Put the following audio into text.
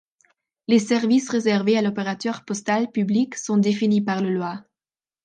Les services réservés à l'opérateur postal public sont définis par le Loi.